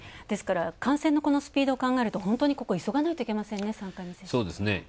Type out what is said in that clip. ですから、感染のスピードを考えると本当にここ急がないといけませんね。